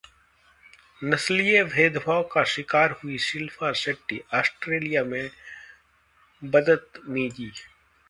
नस्लीय भेदभाव का शिकार हुईं शिल्पा शेट्टी, ऑस्ट्रेलिया में 'बदतमीजी'